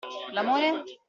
L'amore?